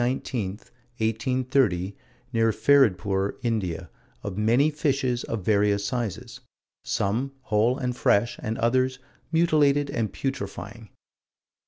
19, 1830, near Feridpoor, India, of many fishes, of various sizes some whole and fresh and others "mutilated and putrefying."